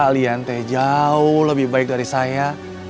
kalian teh jauh lebih baik dari saya